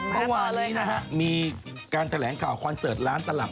เมื่อวานนี้นะฮะมีการแถลงข่าวคอนเสิร์ตร้านตลับ